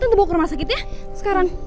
tante bawa ke rumah sakit ya sekarang